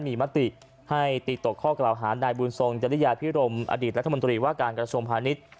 มีมติให้ตีตกข้อกล่าวหานายบุญทรงจริยาพิรมอดีตรัฐมนตรีว่าการกระทรวงพาณิชย์